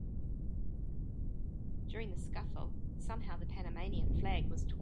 During the scuffle, somehow the Panamanian flag was torn.